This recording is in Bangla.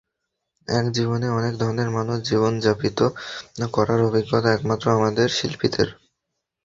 একজীবনে অনেক ধরনের মানুষের জীবন যাপিত করার অভিজ্ঞতা একমাত্র আমাদের, শিল্পীদের।